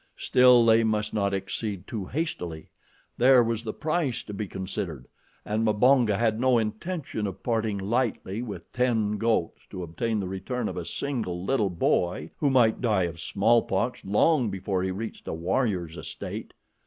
Still they must not accede too hastily. There was the price to be considered, and Mbonga had no intention of parting lightly with ten goats to obtain the return of a single little boy who might die of smallpox long before he reached a warrior's estate.